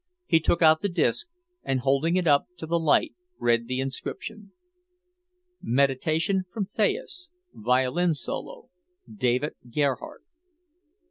He took out the disk, and holding it up to the light, read the inscription: "Meditation from Thais Violin solo David Gerhardt."